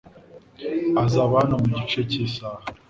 Azaba hano mu gice cy'isaha .